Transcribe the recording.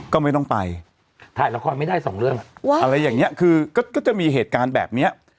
ก็ไม่ต้องไปถ่ายละครไม่ได้สองเรื่องอะไรอย่างนี้คือก็จะมีเหตุการณ์แบบนี้